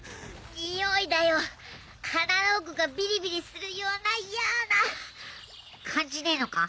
においだよ鼻の奥がビリビリするようなイヤな感じねえのか？